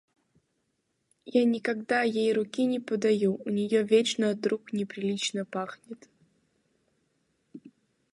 Я никогда ей руки не подаю, у нее вечно от рук неприлично пахнет.